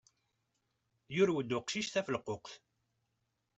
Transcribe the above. Yurew-d uqcic tafelquqt.